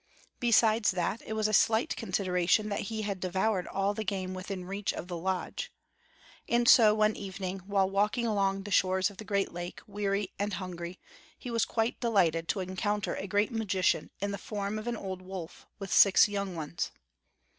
Besides that, it was a slight consideration that he had devoured all the game within reach of the lodge. And so, one evening, while walking along the shore of the great lake, weary and hungry, he was quite delighted to encounter a great magician in the form of an old wolf, with six young ones.